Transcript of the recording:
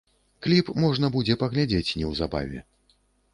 Кліп можна будзе паглядзець неўзабаве.